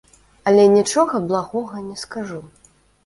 Але нічога благога не скажу.